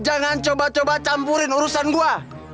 jangan coba coba campurin urusan gua